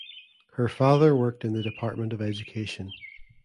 Her father worked in the Department of Education.